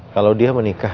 kalau dia menikah